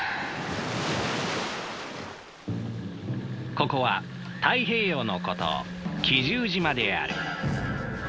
ここは太平洋の孤島奇獣島である。